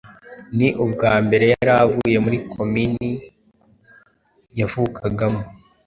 Ni ubwa mbere yari avuye muri Komini yavukagamo,